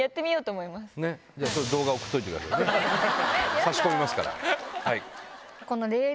差し込みますから。